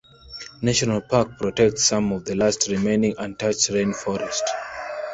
National parks protect some of the last remaining untouched rain forest.